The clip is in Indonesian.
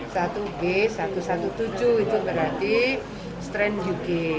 satu b satu satu tujuh itu berarti strain uk